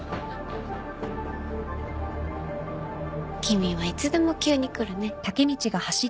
君はいつでも急に来るね。